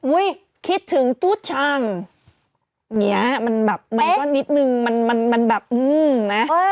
อุ้ยคิดถึงตู้ช่างเนี่ยมันแบบมันก็นิดนึงมันแบบอื้มนะ